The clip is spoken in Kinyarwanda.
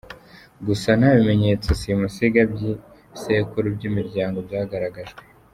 Gusa nta bimenyetso simusiga by’ibisekuru by’imiryango byagaragajwe.